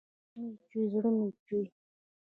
زړه مې چوي ، زړه مې چوي